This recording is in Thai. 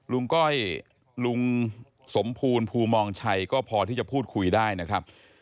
ก้อยลุงสมภูลภูมองชัยก็พอที่จะพูดคุยได้นะครับ